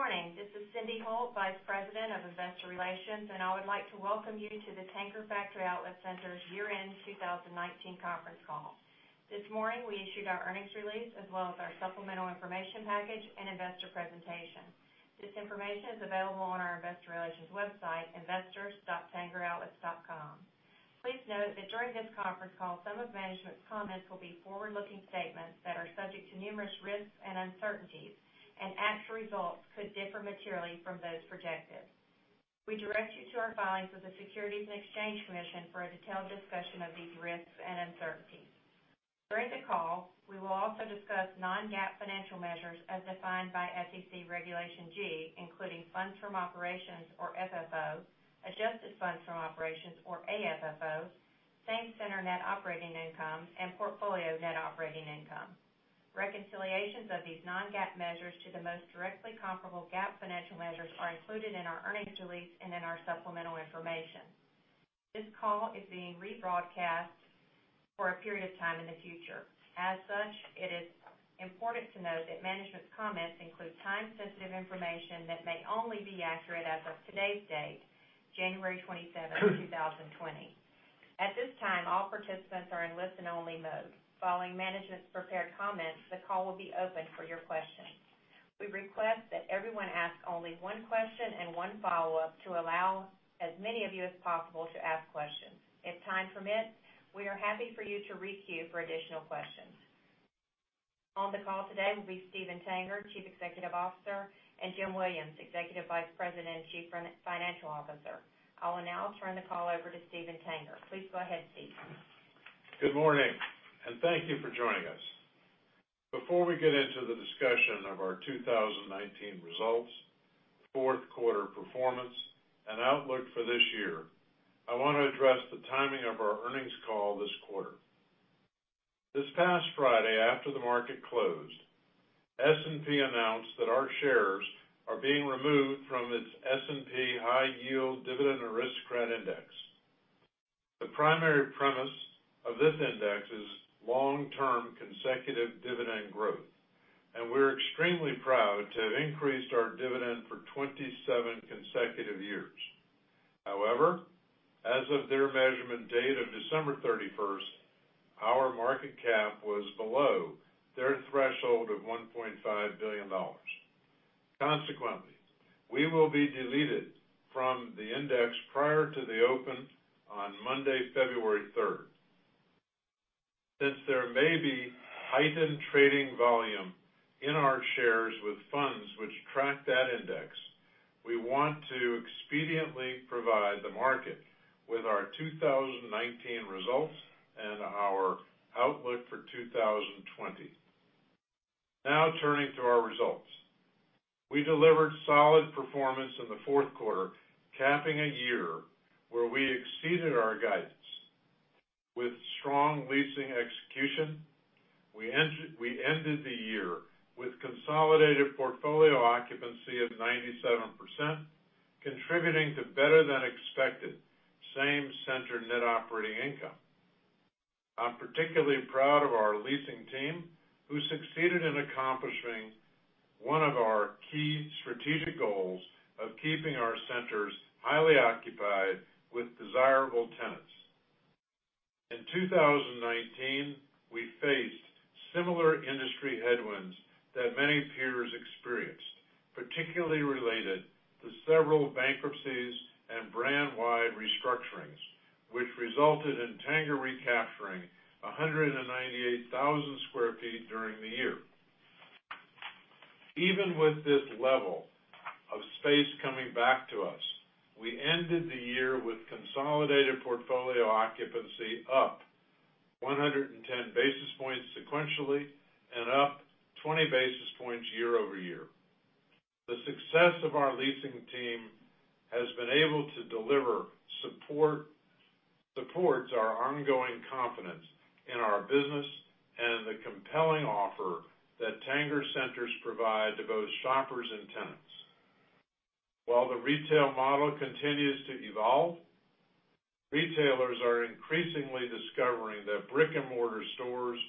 Good morning. This is Cyndi Holt, Vice President of Investor Relations, and I would like to welcome you to the Tanger Factory Outlet Centers' Year-End 2019 Conference Call. This morning, we issued our earnings release as well as our supplemental information package and investor presentation. This information is available on our investor relations website, investors.tangeroutlets.com. Please note that during this conference call, some of management's comments will be forward-looking statements that are subject to numerous risks and uncertainties, and actual results could differ materially from those projected. We direct you to our filings with the Securities and Exchange Commission for a detailed discussion of these risks and uncertainties. During the call, we will also discuss non-GAAP financial measures as defined by SEC Regulation G, including funds from operations or FFO, adjusted funds from operations or AFFO, Same-Center Net Operating Income, and portfolio net operating income. Reconciliations of these non-GAAP measures to the most directly comparable GAAP financial measures are included in our earnings release and in our supplemental information. This call is being rebroadcast for a period of time in the future. It is important to note that management's comments include time-sensitive information that may only be accurate as of today's date, January 27, 2020. At this time, all participants are in listen-only mode. Following management's prepared comments, the call will be open for your questioning. We request that everyone ask only one question and one follow-up to allow as many of you as possible to ask questions. If time permits, we are happy for you to re-queue for additional questions. On the call today will be Steven Tanger, Chief Executive Officer, and Jim Williams, Executive Vice President and Chief Financial Officer. I will now turn the call over to Steven Tanger. Please go ahead, Steven. Good morning. Thank you for joining us. Before we get into the discussion of our 2019 results, fourth quarter performance, and outlook for this year, I want to address the timing of our earnings call this quarter. This past Friday after the market closed, S&P announced that our shares are being removed from its S&P High Yield Dividend Aristocrats Index. The primary premise of this index is long-term consecutive dividend growth, and we're extremely proud to have increased our dividend for 27 consecutive years. However, as of their measurement date of December 31st, our market cap was below their threshold of $1.5 billion. Consequently, we will be deleted from the index prior to the open on Monday, February 3rd. Since there may be heightened trading volume in our shares with funds which track that index, we want to expediently provide the market with our 2019 results and our outlook for 2020. Now turning to our results. We delivered solid performance in the fourth quarter, capping a year where we exceeded our guidance. With strong leasing execution, we ended the year with consolidated portfolio occupancy of 97%, contributing to better than expected Same-Center Net Operating Income. I'm particularly proud of our leasing team, who succeeded in accomplishing one of our key strategic goals of keeping our centers highly occupied with desirable tenants. In 2019, we faced similar industry headwinds that many peers experienced, particularly related to several bankruptcies and brand-wide restructurings, which resulted in Tanger recapturing 198,000 sq ft during the year. Even with this level of space coming back to us, we ended the year with consolidated portfolio occupancy up 110 basis points sequentially and up 20 basis points year over year. The success of our leasing team has been able to deliver supports our ongoing confidence in our business and the compelling offer that Tanger Centers provide to both shoppers and tenants. While the retail model continues to evolve, retailers are increasingly discovering that brick-and-mortar stores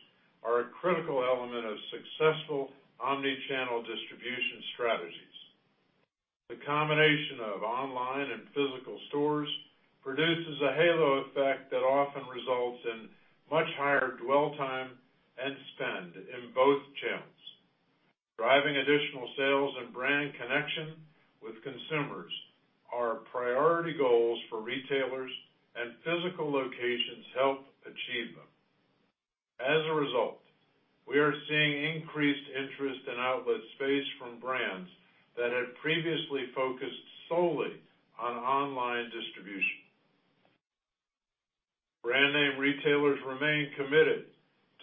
are a critical element of successful omni-channel distribution strategies. The combination of online and physical stores produces a halo effect that often results in much higher dwell time and spend in both channels. Driving additional sales and brand connection with consumers are priority goals for retailers, and physical locations help achieve them. As a result, we are seeing increased interest in outlet space from brands that had previously focused solely on online distribution. Brand name retailers remain committed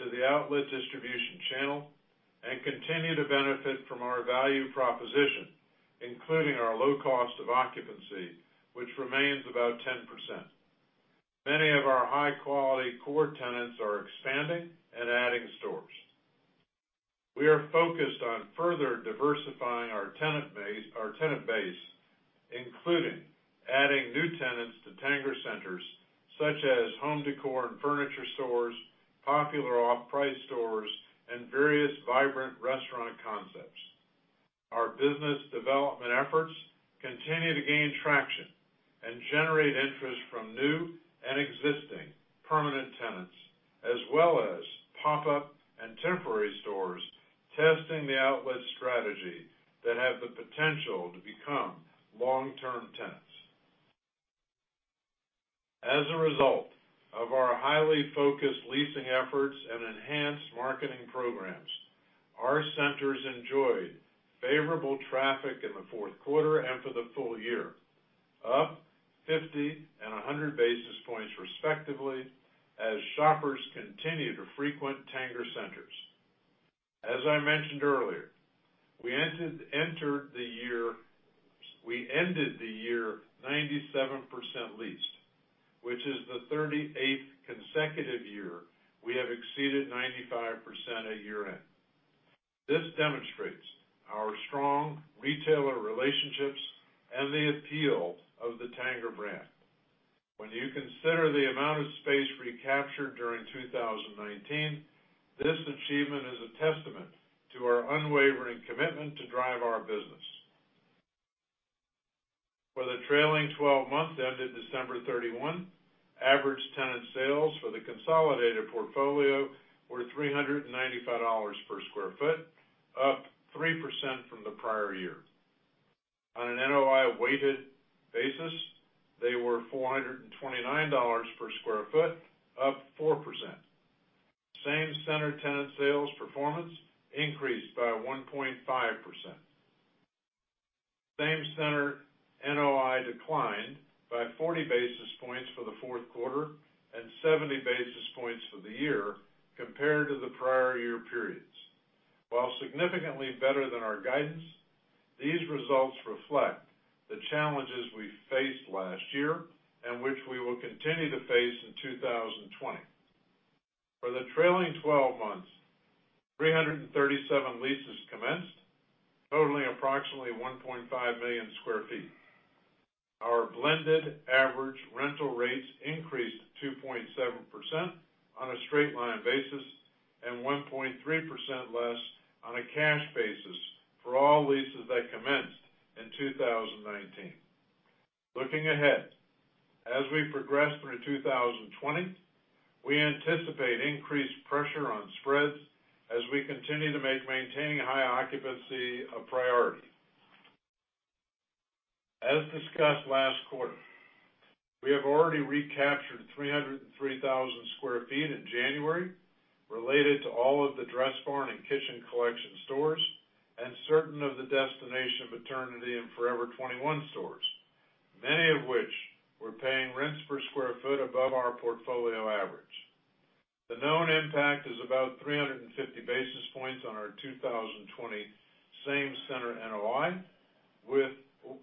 to the outlet distribution channel and continue to benefit from our value proposition, including our low cost of occupancy, which remains about 10%. Many of our high-quality core tenants are expanding and adding stores. We are focused on further diversifying our tenant base, including adding new tenants to Tanger Centers, such as home decor and furniture stores, popular off-price stores, and various vibrant restaurant concepts. Our business development efforts continue to gain traction and generate interest from new and existing permanent tenants, as well as pop-up and temporary stores testing the outlet strategy that have the potential to become long-term tenants. As a result of our highly focused leasing efforts and enhanced marketing programs, our centers enjoyed favorable traffic in the fourth quarter and for the full year, up 50 and 100 basis points respectively, as shoppers continue to frequent Tanger Centers. As I mentioned earlier, we ended the year 97% leased, which is the 38th consecutive year we have exceeded 95% at year-end. This demonstrates our strong retailer relationships and the appeal of the Tanger brand. When you consider the amount of space recaptured during 2019, this achievement is a testament to our unwavering commitment to drive our business. For the trailing 12 months ended December 31, average tenant sales for the consolidated portfolio were $395 per square foot, up 3% from the prior year. On an NOI weighted basis, they were $429 per square foot, up 4%. Same-Center tenant sales performance increased by 1.5%. Same-Center NOI declined by 40 basis points for the fourth quarter and 70 basis points for the year compared to the prior year periods. While significantly better than our guidance, these results reflect the challenges we faced last year and which we will continue to face in 2020. For the trailing 12 months, 337 leases commenced, totaling approximately 1.5 million sq ft. Our blended average rental rates increased 2.7% on a straight-line basis and 1.3% less on a cash basis for all leases that commenced in 2019. Looking ahead, as we progress through 2020, we anticipate increased pressure on spreads as we continue to make maintaining high occupancy a priority. As discussed last quarter, we have already recaptured 303,000 sq ft in January related to all of the Dressbarn and Kitchen Collection stores and certain of the Destination Maternity and Forever 21 stores, many of which were paying rents per square foot above our portfolio average. The known impact is about 350 basis points on our 2020 same-center NOI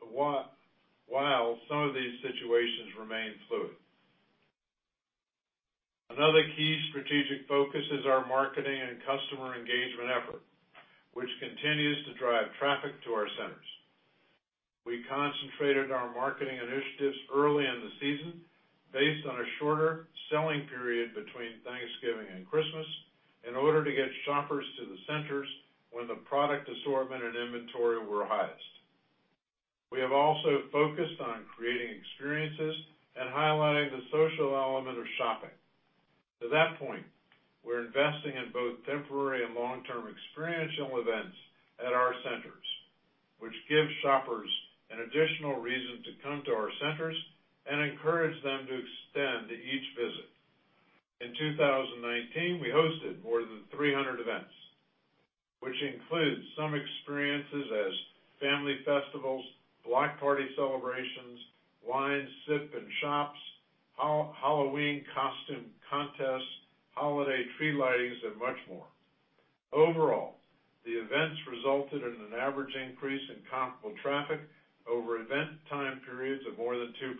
while some of these situations remain fluid. Another key strategic focus is our marketing and customer engagement effort, which continues to drive traffic to our centers. We concentrated our marketing initiatives early in the season based on a shorter selling period between Thanksgiving and Christmas in order to get shoppers to the centers when the product assortment and inventory were highest. We have also focused on creating experiences and highlighting the social element of shopping. To that point, we're investing in both temporary and long-term experiential events at our centers, which give shoppers an additional reason to come to our centers and encourage them to extend each visit. In 2019, we hosted more than 300 events, which include some experiences as family festivals, block party celebrations, wine sip and shops, Halloween costume contests, holiday tree lightings, and much more. Overall, the events resulted in an average increase in comparable traffic over event time periods of more than 2%.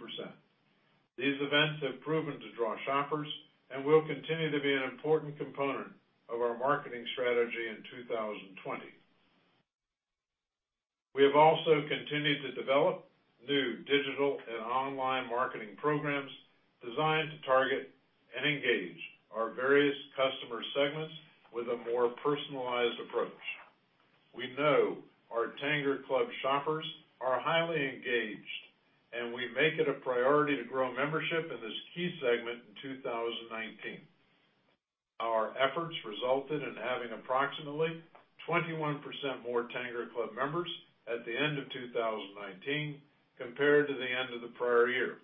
These events have proven to draw shoppers and will continue to be an important component of our marketing strategy in 2020. We have also continued to develop new digital and online marketing programs designed to target and engage our various customer segments with a more personalized approach. We know our TangerClub shoppers are highly engaged, and we make it a priority to grow membership in this key segment in 2019. Our efforts resulted in having approximately 21% more TangerClub members at the end of 2019 compared to the end of the prior year.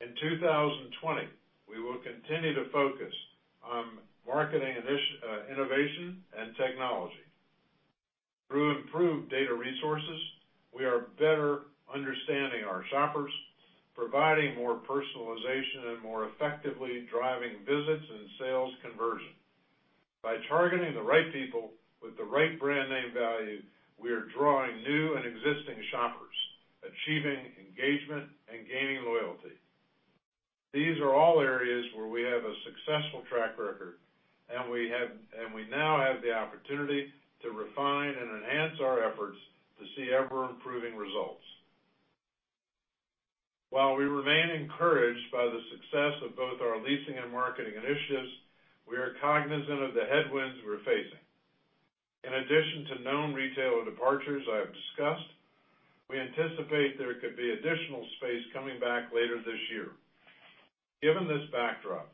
In 2020, we will continue to focus on marketing innovation and technology. Through improved data resources, we are better understanding our shoppers, providing more personalization and more effectively driving visits and sales conversion. By targeting the right people with the right brand name value, we are drawing new and existing shoppers, achieving engagement and gaining loyalty. These are all areas where we have a successful track record, and we now have the opportunity to refine and enhance our efforts to see ever-improving results. While we remain encouraged by the success of both our leasing and marketing initiatives, we are cognizant of the headwinds we're facing. In addition to known retail departures I have discussed, we anticipate there could be additional space coming back later this year. Given this backdrop,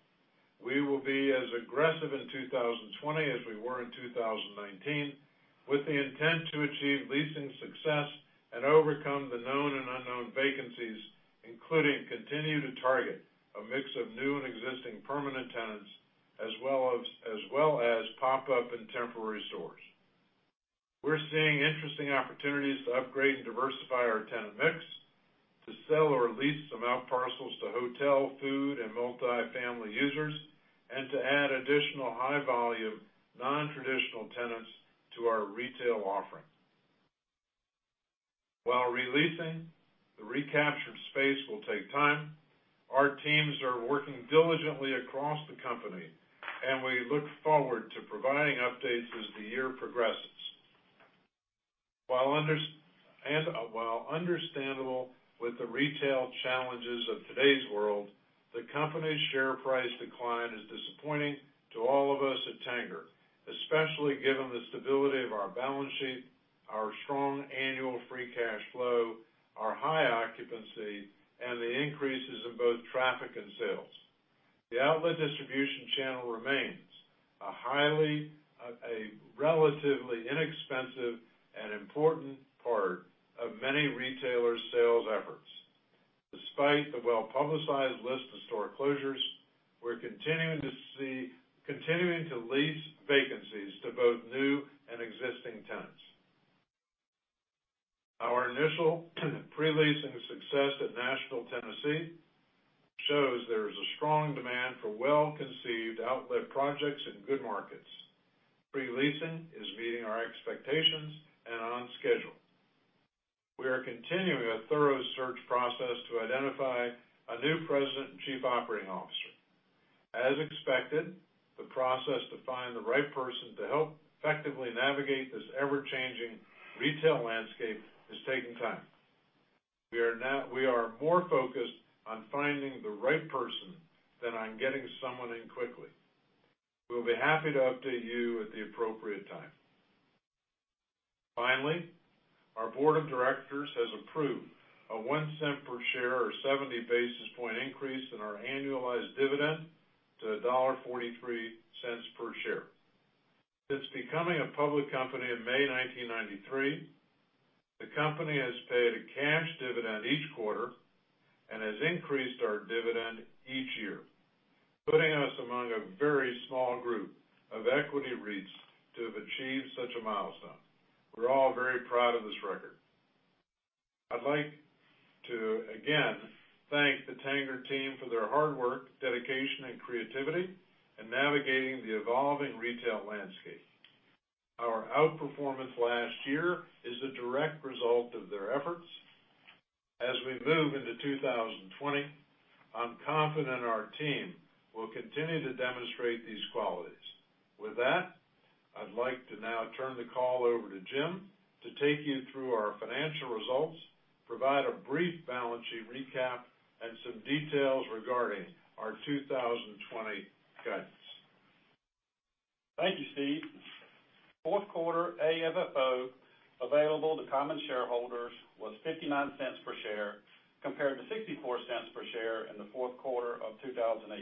we will be as aggressive in 2020 as we were in 2019, with the intent to achieve leasing success and overcome the known and unknown vacancies, including continue to target a mix of new and existing permanent tenants, as well as pop-up and temporary stores. We're seeing interesting opportunities to upgrade and diversify our tenant mix, to sell or lease some outparcels to hotel, food, and multi-family users, and to add additional high volume, non-traditional tenants to our retail offering. While re-leasing the recaptured space will take time, our teams are working diligently across the company, and we look forward to providing updates as the year progresses. While understandable with the retail challenges of today's world, the company's share price decline is disappointing to all of us at Tanger, especially given the stability of our balance sheet, our strong annual free cash flow, our high occupancy, and the increases in both traffic and sales. The outlet distribution channel remains a relatively inexpensive and important part of many retailers' sales efforts. Despite the well-publicized list of store closures, we're continuing to lease vacancies to both new and existing tenants. Our initial pre-leasing success at Nashville, Tennessee shows there is a strong demand for well-conceived outlet projects in good markets. Pre-leasing is meeting our expectations and on schedule. We are continuing a thorough search process to identify a new president and chief operating officer. As expected, the process to find the right person to help effectively navigate this ever-changing retail landscape is taking time. We are more focused on finding the right person than on getting someone in quickly. We'll be happy to update you at the appropriate time. Finally, our board of directors has approved a $0.01 per share or 70 basis point increase in our annualized dividend to $1.43 per share. Since becoming a public company in May 1993, the company has paid a cash dividend each quarter and has increased our dividend each year, putting us among a very small group of equity REITs to have achieved such a milestone. We're all very proud of this record. I'd like to, again, thank the Tanger team for their hard work, dedication, and creativity in navigating the evolving retail landscape. Our outperformance last year is a direct result of their efforts. As we move into 2020, I'm confident our team will continue to demonstrate these qualities. With that, I'd like to now turn the call over to Jim to take you through our financial results, provide a brief balance sheet recap, and some details regarding our 2020 guidance. Thank you, Steve. Fourth quarter AFFO available to common shareholders was $0.59 per share compared to $0.64 per share in the fourth quarter of 2018.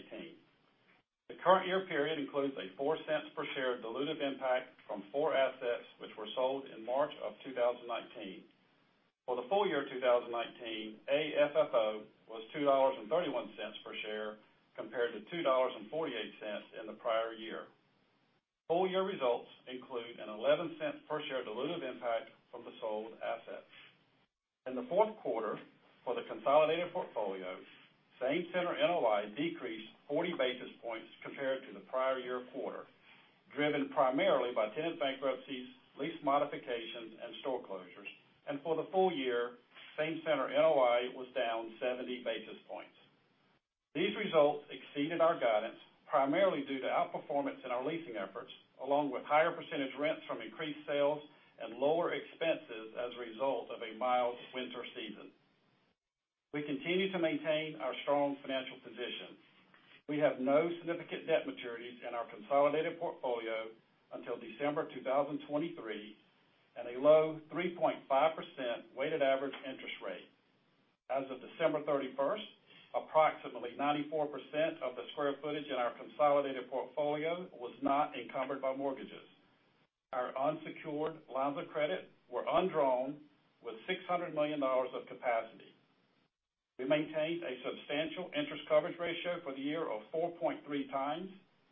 The current year period includes a $0.04 per share dilutive impact from four assets which were sold in March of 2019. For the full year 2019, AFFO was $2.31 per share compared to $2.48 in the prior year. Full year results include an $0.11 per share dilutive impact from the sold assets. In the fourth quarter for the consolidated portfolio, Same-Center NOI decreased 40 basis points compared to the prior year quarter, driven primarily by tenant bankruptcies, lease modifications, and store closures. For the full year, Same-Center NOI was down 70 basis points. These results exceeded our guidance, primarily due to outperformance in our leasing efforts, along with higher percentage rents from increased sales and lower expenses as a result of a mild winter season. We continue to maintain our strong financial position. We have no significant debt maturities in our consolidated portfolio until December 2023 and a low 3.5% weighted average interest rate. As of December 31st, approximately 94% of the square footage in our consolidated portfolio was not encumbered by mortgages. Our unsecured lines of credit were undrawn with $600 million of capacity. We maintained a substantial interest coverage ratio for the year of 4.3x,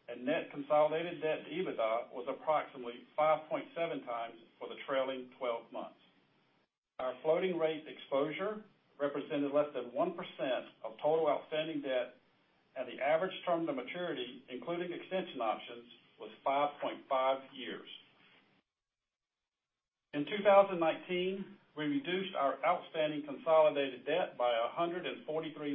and net consolidated debt to EBITDA was approximately 5.7x for the trailing 12 months. Our floating rate exposure represented less than 1% of total outstanding debt, and the average term to maturity, including extension options, was 5.5 years. In 2019, we reduced our outstanding consolidated debt by $143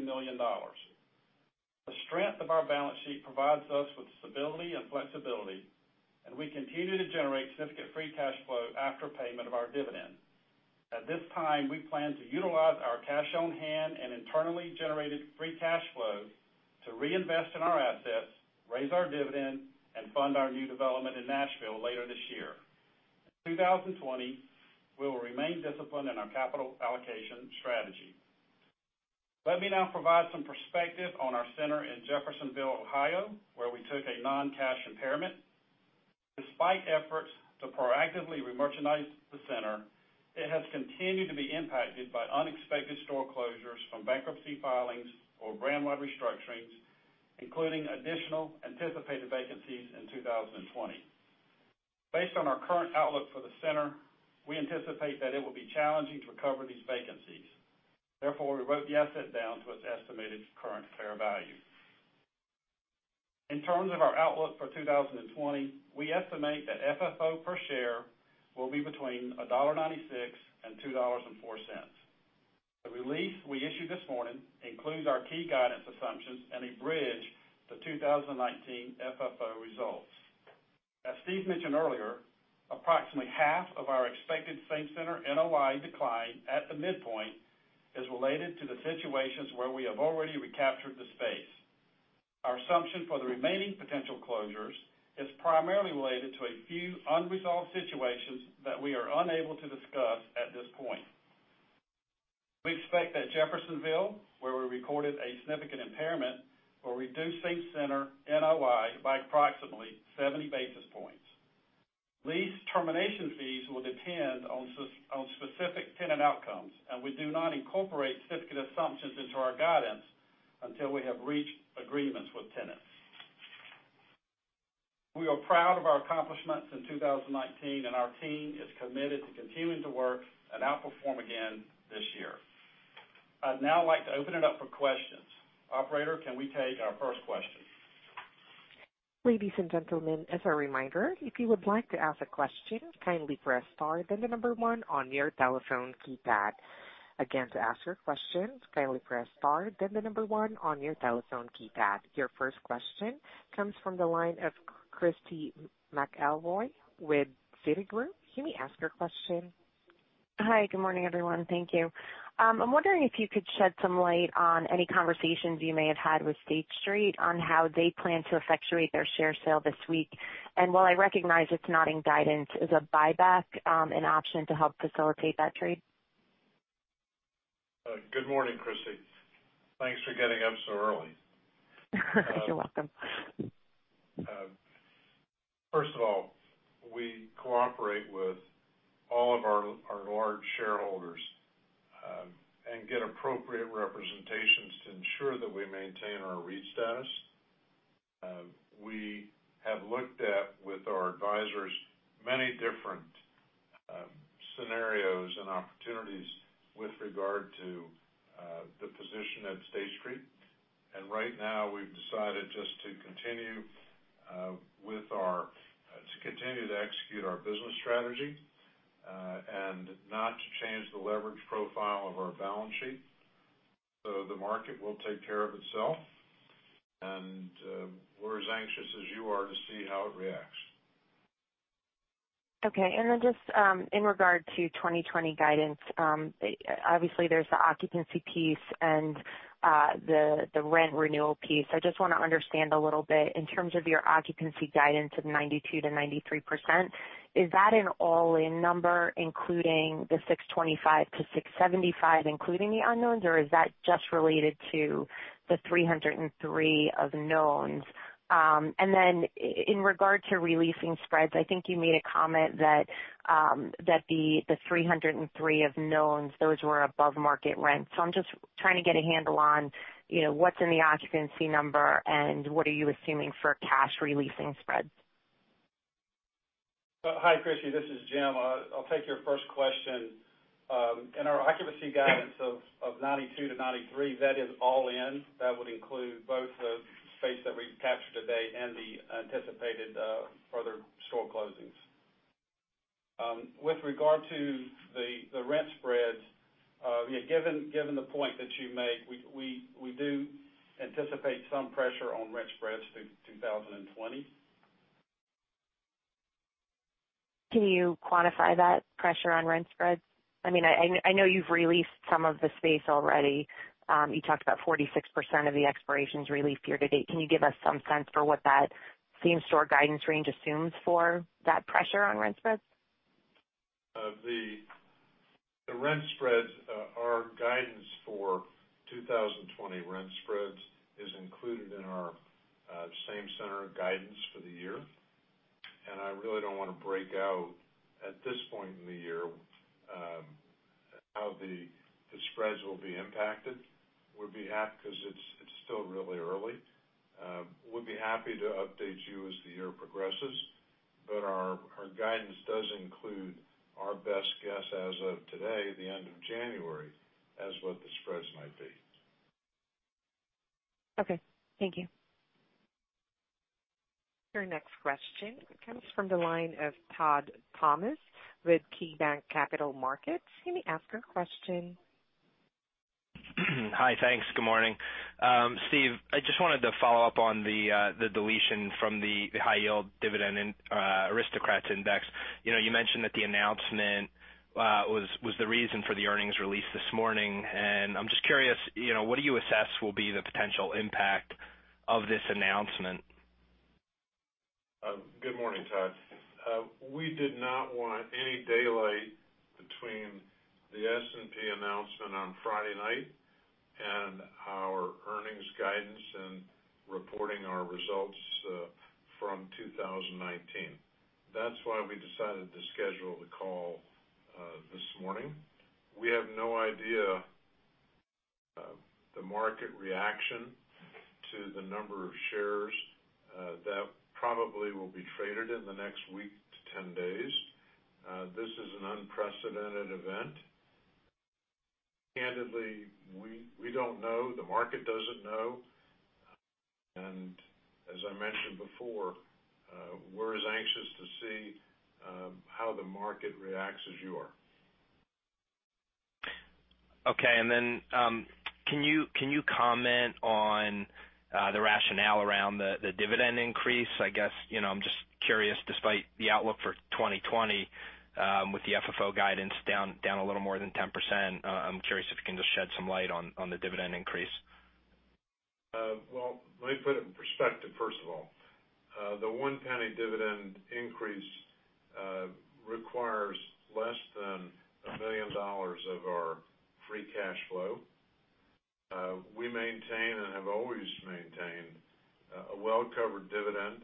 million. The strength of our balance sheet provides us with stability and flexibility, and we continue to generate significant free cash flow after payment of our dividend. At this time, we plan to utilize our cash on hand and internally generated free cash flow to reinvest in our assets, raise our dividend, and fund our new development in Nashville later this year. In 2020, we will remain disciplined in our capital allocation strategy. Let me now provide some perspective on our center in Jeffersonville, Ohio, where we took a non-cash impairment. Despite efforts to proactively re-merchandise the center, it has continued to be impacted by unexpected store closures from bankruptcy filings or brand-wide restructurings, including additional anticipated vacancies in 2020. Based on our current outlook for the center, we anticipate that it will be challenging to recover these vacancies. Therefore, we wrote the asset down to its estimated current fair value. In terms of our outlook for 2020, we estimate that FFO per share will be between $1.96 and $2.04. The release we issued this morning includes our key guidance assumptions and a bridge to 2019 FFO results. As Steven mentioned earlier, approximately half of our expected Same-Center NOI decline at the midpoint is related to the situations where we have already recaptured the space. Our assumption for the remaining potential closures is primarily related to a few unresolved situations that we are unable to discuss at this point. We expect that Jeffersonville, where we recorded a significant impairment, will reduce same-center NOI by approximately 70 basis points. Lease termination fees will depend on specific tenant outcomes, and we do not incorporate significant assumptions into our guidance until we have reached agreements with tenants. We are proud of our accomplishments in 2019, and our team is committed to continuing to work and outperform again this year. I'd now like to open it up for questions. Operator, can we take our first question? Ladies and gentlemen, as a reminder, if you would like to ask a question, kindly press star, then the number one on your telephone keypad. Again, to ask your question, kindly press star, then the number one on your telephone keypad. Your first question comes from the line of Christy McElroy with Citigroup. You may ask your question. Hi. Good morning, everyone. Thank you. I'm wondering if you could shed some light on any conversations you may have had with State Street on how they plan to effectuate their share sale this week. While I recognize it's not in guidance, is a buyback an option to help facilitate that trade? Good morning, Christy. Thanks for getting up so early. You're welcome. First of all, we cooperate with all of our large shareholders and get appropriate representations to ensure that we maintain our REIT status. We have looked at, with our advisors, many different scenarios and opportunities with regard to the position at State Street. Right now, we've decided just to continue to execute our business strategy, and not to change the leverage profile of our balance sheet. The market will take care of itself, and we're as anxious as you are to see how it reacts. Okay. Just in regard to 2020 guidance, obviously there's the occupancy piece and the rent renewal piece. I just want to understand a little bit in terms of your occupancy guidance of 92%-93%, is that an all-in number, including the 625,000 sq ft-675,000 sq ft, including the unknowns, or is that just related to the 303,000 sq ft of knowns? In regard to re-leasing spreads, I think you made a comment that the 303, sq ft of knowns, those were above-market rents. I'm just trying to get a handle on what's in the occupancy number and what are you assuming for cash re-leasing spreads. Hi, Christy. This is Jim. I'll take your first question. In our occupancy guidance of 92%-93%, that is all in. That would include both the space that we've captured to date and the anticipated further store closings. With regard to the rent spreads, given the point that you make, we do anticipate some pressure on rent spreads through 2020. Can you quantify that pressure on rent spreads? I know you've re-leased some of the space already. You talked about 46% of the expirations re-leased year to date. Can you give us some sense for what that same-store guidance range assumes for that pressure on rent spreads? The rent spreads, our guidance for 2020 rent spreads is included in our same-center guidance for the year. I really don't want to break out, at this point in the year, how the spreads will be impacted because it's still really early. We'll be happy to update you as the year progresses, but our guidance does include our best guess as of today, the end of January, as what the spreads might be. Okay. Thank you. Your next question comes from the line of Todd Thomas with KeyBanc Capital Markets. You may ask your question. Hi. Thanks. Good morning. Steve, I just wanted to follow up on the deletion from the S&P High Yield Dividend Aristocrats Index. You mentioned that the announcement was the reason for the earnings release this morning. I'm just curious, what do you assess will be the potential impact of this announcement? Good morning, Todd. We did not want any daylight between the S&P announcement on Friday night and our earnings guidance and reporting our results from 2019. That's why we decided to schedule the call this morning. We have no idea the market reaction to the number of shares that probably will be traded in the next week to 10 days. This is an unprecedented event. Candidly, we don't know, the market doesn't know, and as I mentioned before, we're as anxious to see how the market reacts as you are. Okay. Can you comment on the rationale around the dividend increase? I guess, I'm just curious, despite the outlook for 2020 with the FFO guidance down a little more than 10%, I'm curious if you can just shed some light on the dividend increase. Let me put it in perspective, first of all. The $0.01 dividend increase requires less than $1 million of our free cash flow. We maintain and have always maintained a well-covered dividend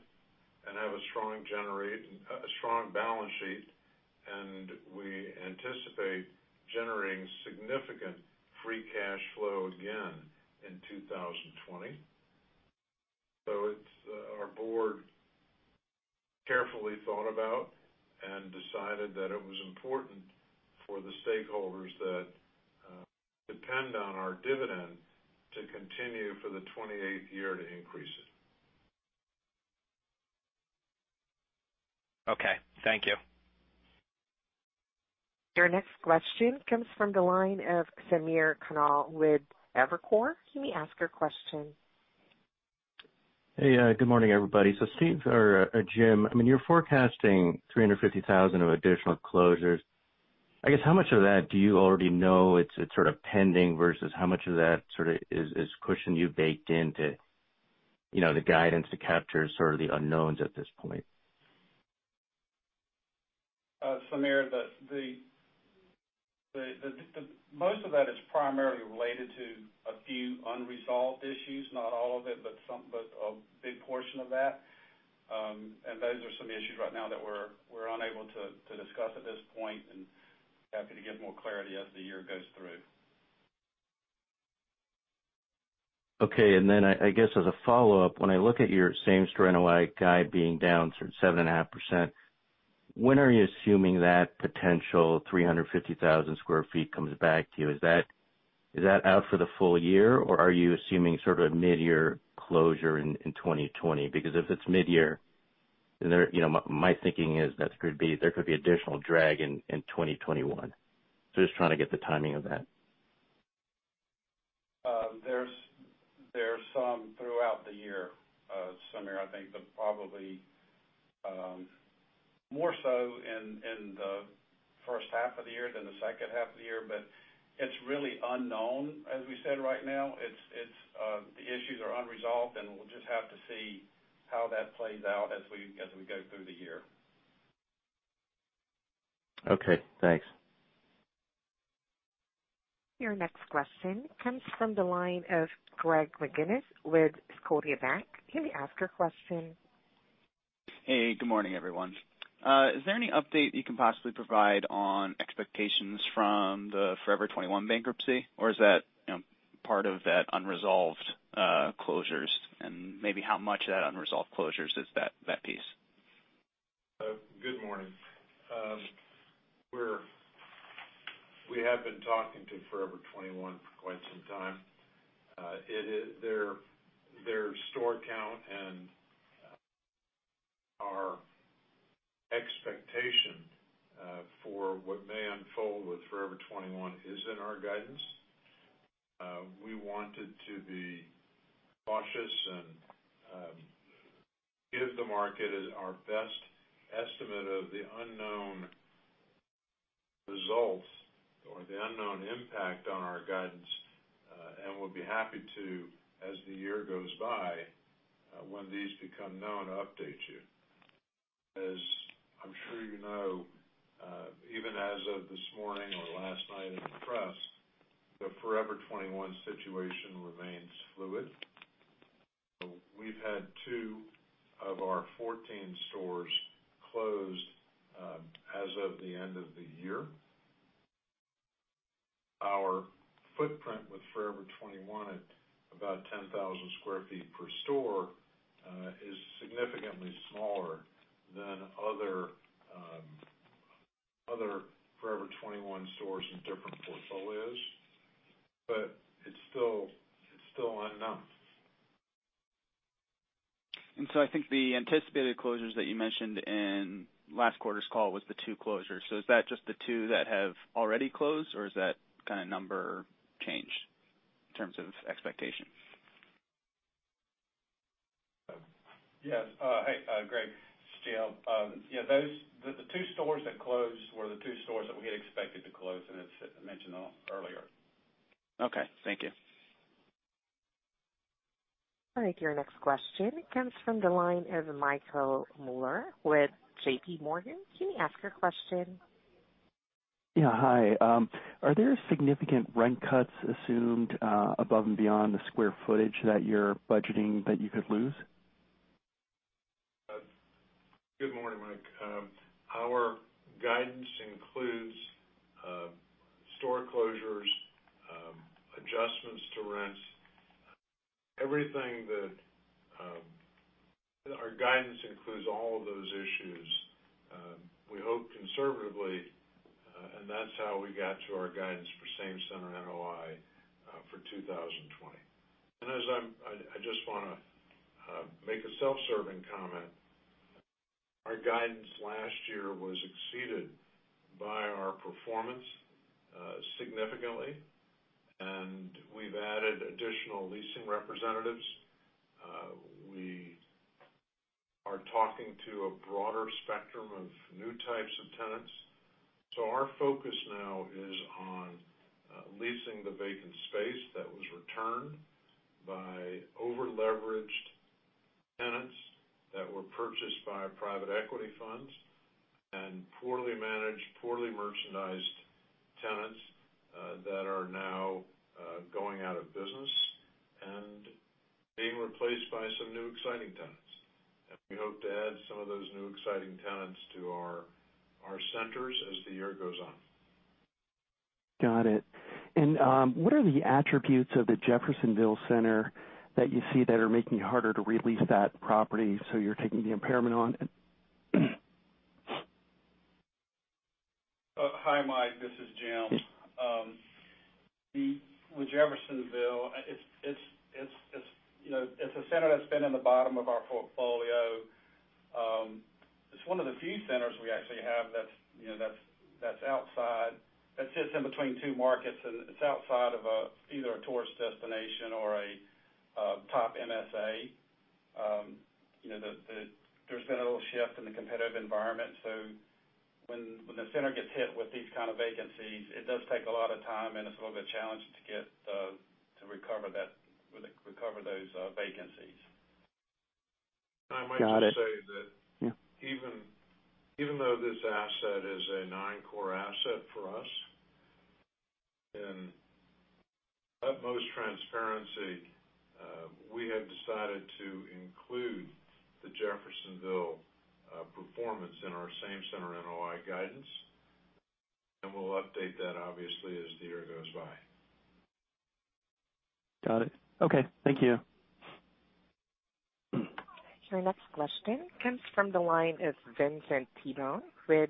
and have a strong balance sheet, and we anticipate generating significant free cash flow again in 2020. Our board carefully thought about and decided that it was important for the stakeholders that depend on our dividend to continue for the 28th year to increase it. Okay. Thank you. Your next question comes from the line of Samir Khanal with Evercore. You may ask your question. Hey, good morning, everybody. Steve or Jim, you're forecasting 350,000 sq ft of additional closures. I guess, how much of that do you already know it's sort of pending versus how much of that sort of is cushion you baked into the guidance to capture sort of the unknowns at this point? Samir, most of that is primarily related to a few unresolved issues, not all of it, but a big portion of that. Those are some issues right now that we're unable to discuss at this point and happy to give more clarity as the year goes through. Okay. I guess as a follow-up, when I look at your same store NOI guide being down sort of 7.5%, when are you assuming that potential 350,000 sq ft comes back to you? Is that out for the full year, or are you assuming sort of a mid-year closure in 2020? Because if it's mid-year, my thinking is there could be additional drag in 2021. Just trying to get the timing of that. There's some throughout the year, Samir. I think that probably more so in the first half of the year than the second half of the year, but it's really unknown, as we said right now. The issues are unresolved, and we'll just have to see how that plays out as we go through the year. Okay, thanks. Your next question comes from the line of Greg McGinniss with Scotiabank. You may ask your question. Hey, good morning, everyone. Is there any update you can possibly provide on expectations from the Forever 21 bankruptcy, or is that part of that unresolved closures, and maybe how much of that unresolved closures is that piece? Good morning. We have been talking to Forever 21 for quite some time. Their store count and our expectation for what may unfold with Forever 21 is in our guidance. We wanted to be cautious and give the market our best estimate of the unknown results or the unknown impact on our guidance. We'll be happy to, as the year goes by, when these become known, update you. As I'm sure you know, even as of this morning or last night in the press, the Forever 21 situation remains fluid. We've had two of our 14 stores closed as of the end of the year. Our footprint with Forever 21 at about 10,000 sq ft per store, is significantly smaller than other Forever 21 stores in different portfolios. It's still unknown. I think the anticipated closures that you mentioned in last quarter's call was the two closures. Is that just the two that have already closed, or has that number changed in terms of expectation? Yes. Hey, Greg, it's Jim. The two stores that closed were the two stores that we had expected to close, and as mentioned earlier. Okay, thank you. I think your next question comes from the line of Michael Mueller with JPMorgan. Can you ask your question? Yeah, hi. Are there significant rent cuts assumed above and beyond the square footage that you're budgeting that you could lose? Good morning, Michael. Our guidance includes store closures, adjustments to rents. Our guidance includes all of those issues, we hope, conservatively, and that's how we got to our guidance for Same-Center NOI for 2020. I just want to make a self-serving comment. Our guidance last year was exceeded by our performance significantly, and we've added additional leasing representatives. We are talking to a broader spectrum of new types of tenants. Our focus now is on leasing the vacant space that was returned by over-leveraged tenants that were purchased by private equity funds and poorly managed, poorly merchandised tenants that are now going out of business and being replaced by some new, exciting tenants. We hope to add some of those new, exciting tenants to our centers as the year goes on. Got it. What are the attributes of the Jeffersonville Center that you see that are making it harder to re-lease that property, so you're taking the impairment on it? Hi, Mike, this is Jim. With Jeffersonville, it's a center that's been in the bottom of our portfolio. It's one of the few centers we actually have that sits in between two markets. It's outside of either a tourist destination or a top MSA. There's been a little shift in the competitive environment. When the center gets hit with these kind of vacancies, it does take a lot of time. It's a little bit challenging to recover those vacancies. I might just say that even though this asset is a non-core asset for us, in utmost transparency, we have decided to include the Jeffersonville performance in our Same-Center NOI guidance. We'll update that obviously as the year goes by. Got it. Okay. Thank you. Your next question comes from the line of Vince Tibone with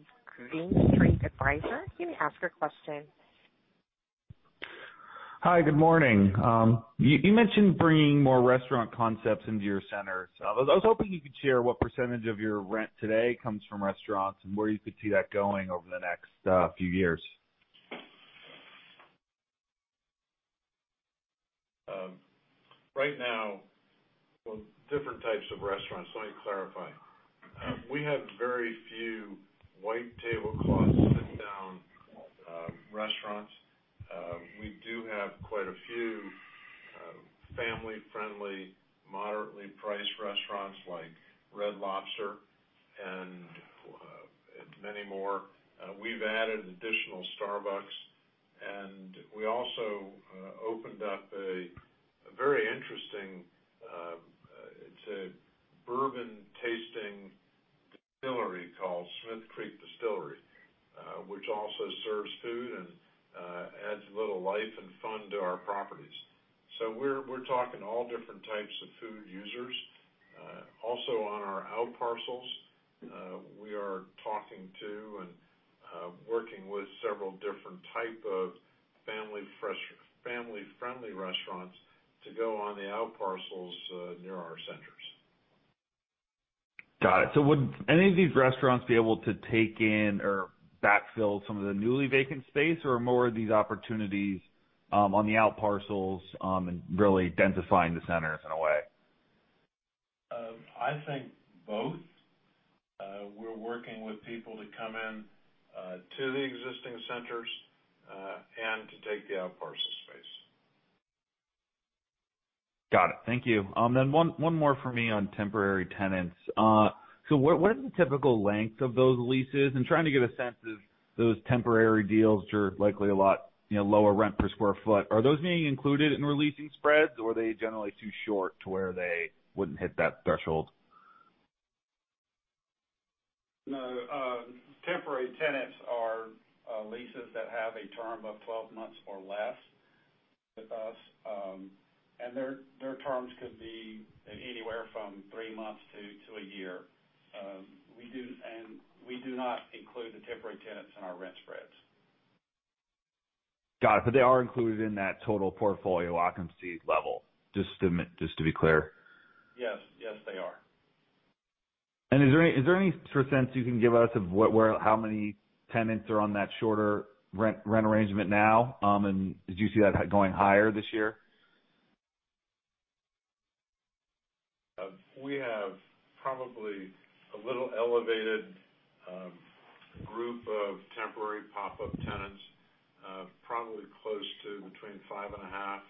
Green Street Advisors. You may ask your question. Hi, good morning. You mentioned bringing more restaurant concepts into your centers. I was hoping you could share what percentage of your rent today comes from restaurants and where you could see that going over the next few years. Right now, different types of restaurants, let me clarify. We have very few white tablecloth, sit-down restaurants. We do have quite a few family-friendly, moderately priced restaurants like Red Lobster and many more. We've added additional Starbucks, and we also opened up a very interesting bourbon-tasting distillery called Smith Creek Distillery, which also serves food and adds a little life and fun to our properties. We're talking all different types of food users. Also on our outparcels, we are talking to and working with several different type of family-friendly restaurants to go on the outparcels near our centers. Got it. Would any of these restaurants be able to take in or backfill some of the newly vacant space, or are more of these opportunities on the outparcels and really densifying the centers in a way? I think both. We're working with people to come in to the existing centers, and to take the outparcel space. Got it. Thank you. One more from me on temporary tenants. What is the typical length of those leases? I'm trying to get a sense of those temporary deals, which are likely a lot lower rent per square foot. Are those being included in re-leasing spreads, or are they generally too short to where they wouldn't hit that threshold? No. Temporary tenants are leases that have a term of 12 months or less with us, their terms could be anywhere from three months to a year. We do not include the temporary tenants in our rent spreads. Got it. They are included in that total portfolio occupancy level, just to be clear. Yes. Yes, they are. Is there any sort of sense you can give us of how many tenants are on that shorter rent arrangement now, and do you see that going higher this year? We have probably a little elevated group of temporary pop-up tenants, probably close to between 5.5%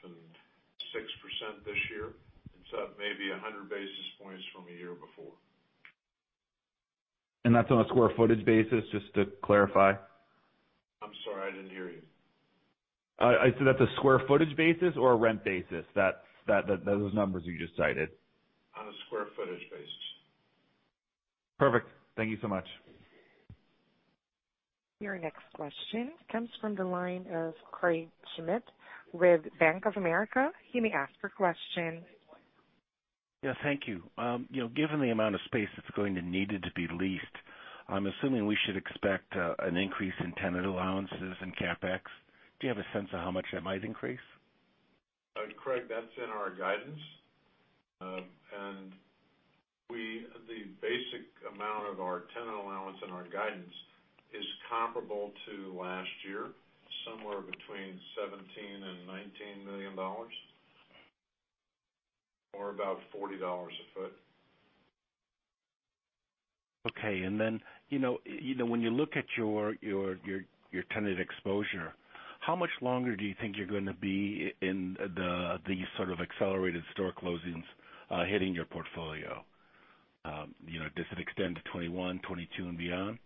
and 6% this year. It's up maybe 100 basis points from a year before. That's on a square footage basis, just to clarify? I'm sorry, I didn't hear you. Is that the square footage basis or a rent basis, those numbers you just cited? On a square footage basis. Perfect. Thank you so much. Your next question comes from the line of Craig Schmidt with Bank of America. You may ask your question. Yeah, thank you. Given the amount of space that's going to need to be leased, I'm assuming we should expect an increase in tenant allowances and CapEx. Do you have a sense of how much that might increase? Craig, that's in our guidance. The basic amount of our tenant allowance and our guidance is comparable to last year, somewhere between $17 million and $19 million, or about $40 a foot. Okay, when you look at your tenant exposure, how much longer do you think you're going to be in these sort of accelerated store closings hitting your portfolio? Does it extend to 2021, 2022, and beyond?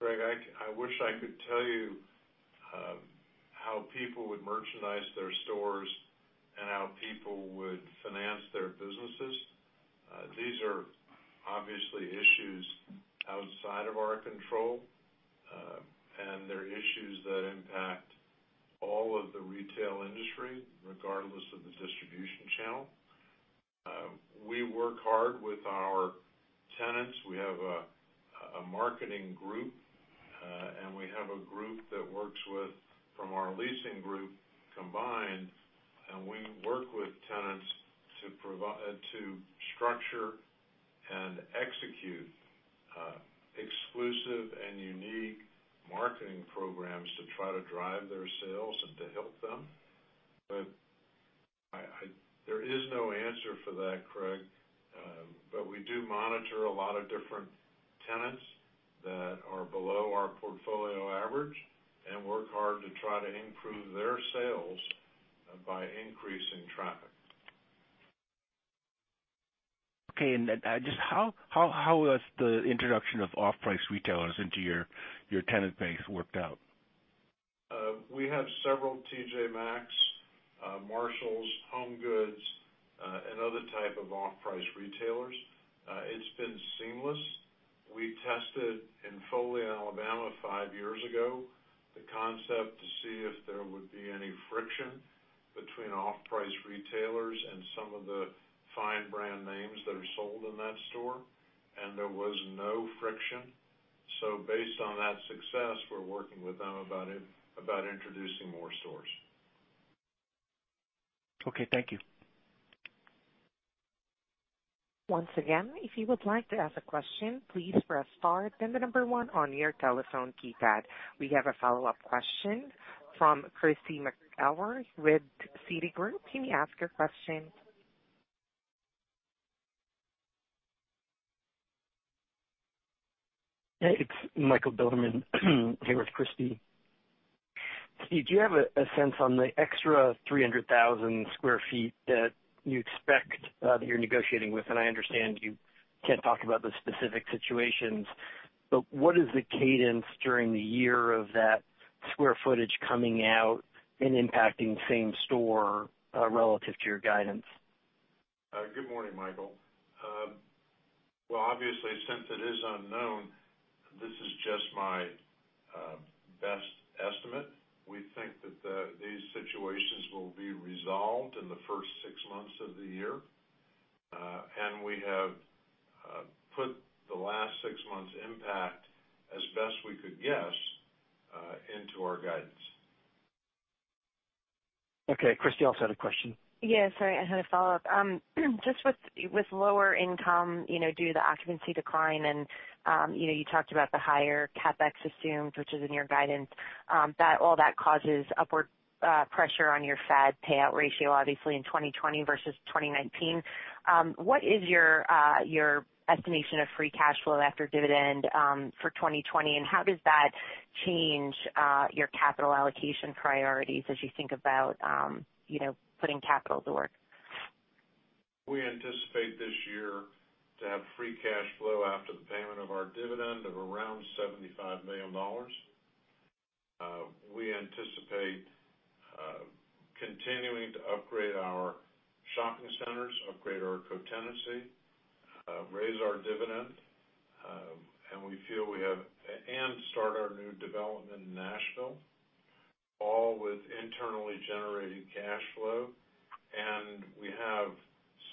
Craig, I wish I could tell you how people would merchandise their stores and how people would finance their businesses. These are obviously issues outside of our control, and they're issues that impact all of the retail industry, regardless of the distribution channel. We work hard with our tenants. We have a marketing group, and we have a group that works with, from our leasing group combined, and we work with tenants to structure and execute exclusive and unique marketing programs to try to drive their sales and to help them. There is no answer for that, Craig. We do monitor a lot of different tenants that are below our portfolio average and work hard to try to improve their sales by increasing traffic. Okay, just how has the introduction of off-price retailers into your tenant base worked out? We have several TJ Maxx, Marshalls, HomeGoods, and other type of off-price retailers. It's been seamless. We tested in Foley, Alabama, five years ago, the concept to see if there would be any friction between off-price retailers and some of the fine brand names that are sold in that store, and there was no friction. Based on that success, we're working with them about introducing more stores. Okay, thank you. Once again, if you would like to ask a question, please press star, then the number one on your telephone keypad. We have a follow-up question from Christy McElroy with Citigroup. Can you ask your question? Yeah. It's Michael Bilerman here with Christy. Steve, do you have a sense on the extra 300,000 sq ft that you expect that you're negotiating with? I understand you can't talk about the specific situations, but what is the cadence during the year of that square footage coming out and impacting same store relative to your guidance? Good morning, Michael. Well, obviously, since it is unknown, this is just my best estimate. We think that these situations will be resolved in the first six months of the year. We have put the last six months impact as best we could guess into our guidance. Okay. Christy also had a question. Yeah, sorry, I had a follow-up. Just with lower income due to the occupancy decline and you talked about the higher CapEx assumed, which is in your guidance, all that causes upward pressure on your FAD payout ratio, obviously in 2020 versus 2019. What is your estimation of free cash flow after dividend for 2020, and how does that change your capital allocation priorities as you think about putting capital to work? We anticipate this year to have free cash flow after the payment of our dividend of around $75 million. We anticipate continuing to upgrade our shopping centers, upgrade our co-tenancy, raise our dividend, and start our new development in Nashville, all with internally generated cash flow. We have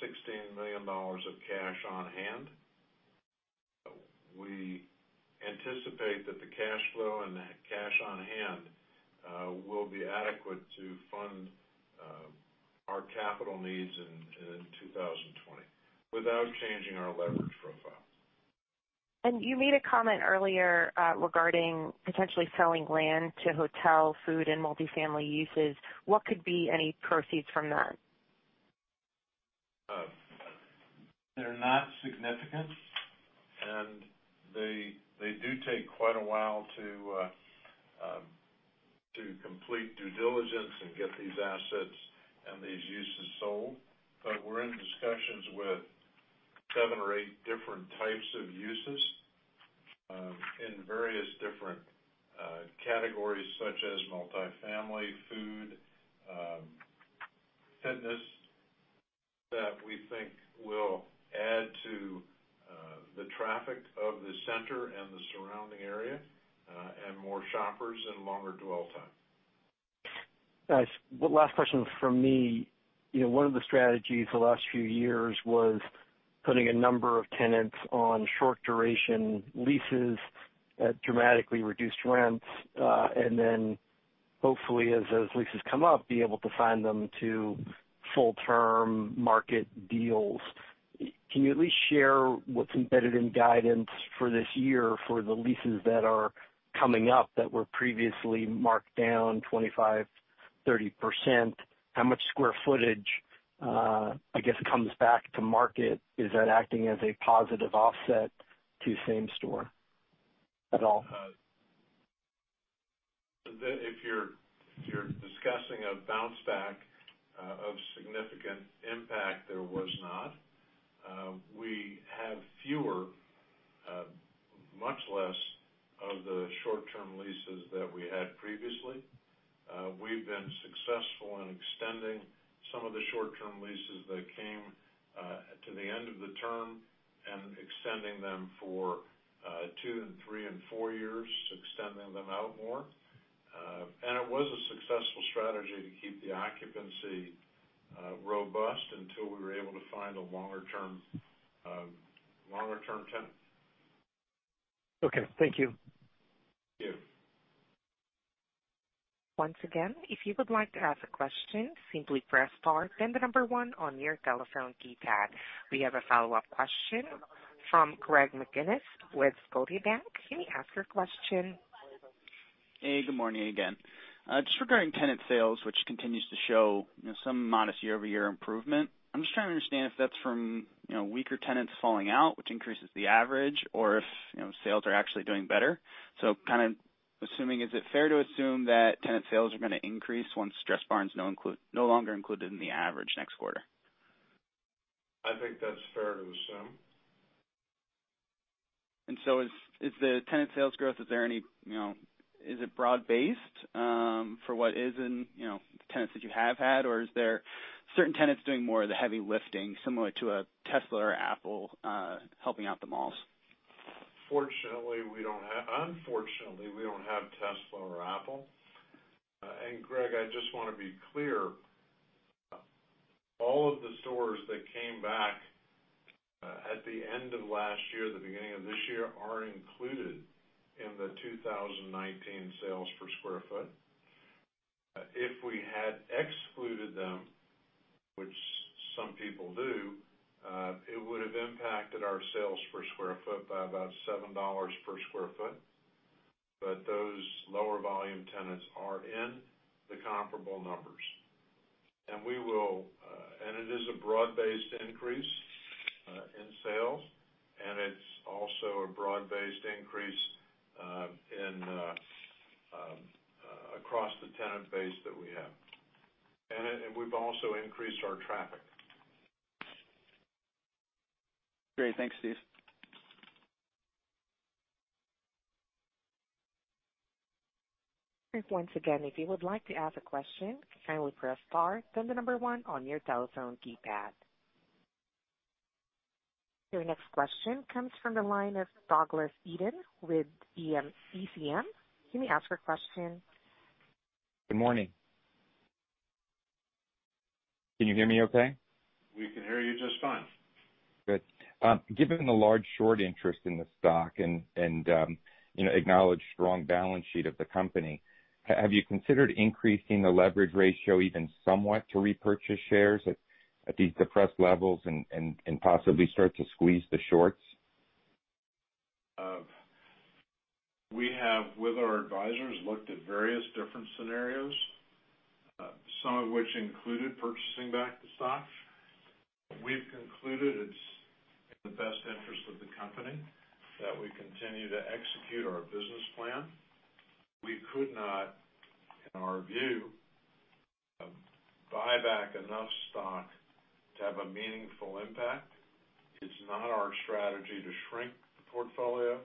$16 million of cash on hand. We anticipate that the cash flow and the cash on hand will be adequate to fund our capital needs in 2020 without changing our leverage profile. You made a comment earlier regarding potentially selling land to hotel, food, and multi-family uses. What could be any proceeds from that? They're not significant. They do take quite a while to complete due diligence and get these assets and these uses sold. We're in discussions with seven or eight different types of uses in various different categories such as multi-family, food, fitness, that we think will add to the traffic of the center and the surrounding area, and more shoppers and longer dwell time. Last question from me. One of the strategies the last few years was putting a number of tenants on short duration leases at dramatically reduced rents. Then hopefully as those leases come up, be able to sign them to full-term market deals. Can you at least share what's embedded in guidance for this year for the leases that are coming up that were previously marked down 25%, 30%? How much square footage, I guess, comes back to market? Is that acting as a positive offset to same store at all? If you're discussing a bounce back of significant impact, there was not. We have fewer, much less of the short-term leases that we had previously. We've been successful in extending some of the short-term leases that came to the end of the term and extending them for two and three and four years, extending them out more. It was a successful strategy to keep the occupancy robust until we were able to find a longer-term tenant. Okay. Thank you. Thank you. Once again, if you would like to ask a question, simply press star, then the number one on your telephone keypad. We have a follow-up question from Greg McGinniss with Scotiabank. You may ask your question. Good morning again. Just regarding tenant sales, which continues to show some modest year-over-year improvement. I'm just trying to understand if that's from weaker tenants falling out, which increases the average, or if sales are actually doing better. Is it fair to assume that tenant sales are going to increase once Dressbarn is no longer included in the average next quarter? I think that's fair to assume. Is the tenant sales growth, is it broad-based for what is in the tenants that you have had, or is there certain tenants doing more of the heavy lifting, similar to a Tesla or Apple helping out the malls? Unfortunately, we don't have Tesla or Apple. Greg, I just want to be clear, all of the stores that came back at the end of last year, the beginning of this year, are included in the 2019 sales per square foot. If we had excluded them, which some people do, it would have impacted our sales per square foot by about $7 per square foot. Those lower volume tenants are in the comparable numbers. It is a broad-based increase in sales, and it's also a broad-based increase across the tenant base that we have. We've also increased our traffic. Great. Thanks, Steve. Once again, if you would like to ask a question, kindly press star, then the number one on your telephone keypad. Your next question comes from the line of Douglas Eden with ECM. You may ask your question. Good morning. Can you hear me okay? We can hear you just fine. Good. Given the large short interest in the stock and acknowledged strong balance sheet of the company, have you considered increasing the leverage ratio even somewhat to repurchase shares at these depressed levels and possibly start to squeeze the shorts? We have, with our advisors, looked at various different scenarios, some of which included purchasing back the stock. We've concluded it's in the best interest of the company that we continue to execute our business plan. We could not, in our view, buy back enough stock to have a meaningful impact. It's not our strategy to shrink the portfolio.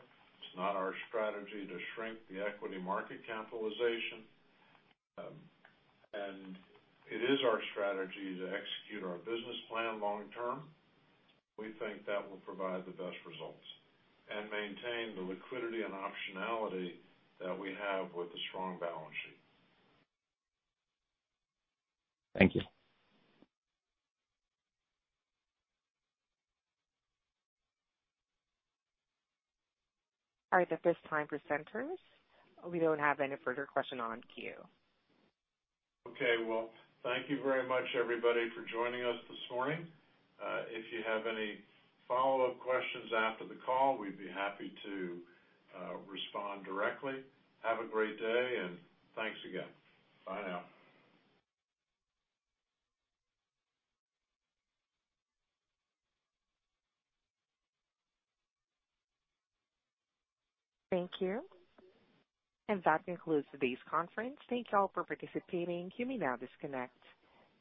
It's not our strategy to shrink the equity market capitalization. It is our strategy to execute our business plan long term. We think that will provide the best results and maintain the liquidity and optionality that we have with a strong balance sheet. Thank you. All right. At this time, presenters, we don't have any further question on queue. Okay. Well, thank you very much, everybody, for joining us this morning. If you have any follow-up questions after the call, we'd be happy to respond directly. Have a great day. Thanks again. Bye now. Thank you. That concludes today's conference. Thank you all for participating. You may now disconnect.